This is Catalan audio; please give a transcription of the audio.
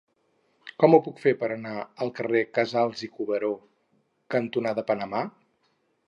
Com ho puc fer per anar al carrer Casals i Cuberó cantonada Panamà?